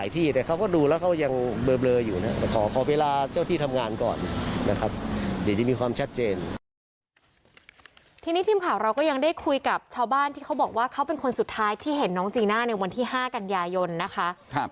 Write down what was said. ทีนี้ทีมข่าวเราก็ยังได้คุยกับชาวบ้านที่เขาบอกว่าเขาเป็นคนสุดท้ายที่เห็นน้องจีน่าในวันที่๕กันยายนนะคะ